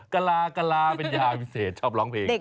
กะลากะลาเป็นยาวิเศษชอบร้องเพลง